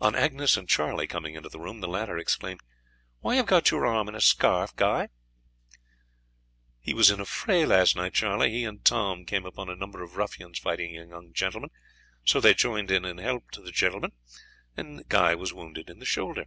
On Agnes and Charlie coming into the room, the latter exclaimed, "Why have you got your arm in a scarf, Guy?" "He was in a fray last night, Charlie. He and Tom came upon a number of ruffians fighting a young gentleman, so they joined in and helped him, and Guy was wounded in the shoulder."